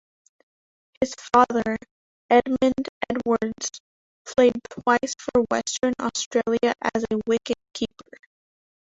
His father, Edmund Edwards, played twice for Western Australia as a wicket-keeper.